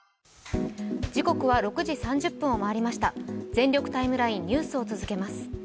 「全力ＴＩＭＥライン」ニュースを続けます。